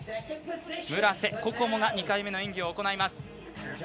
村瀬心椛が２回目の演技を行います。